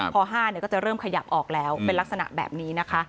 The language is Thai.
พอ๕ก็จะเริ่มขยับออกแล้วเป็นลักษณะแบบนี้นะคะ